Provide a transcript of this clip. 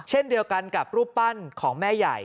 เช่นเดียวกันกับรูปปั้นของแม่ใหญ่